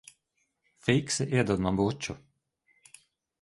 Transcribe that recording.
Fiksi iedod man buču.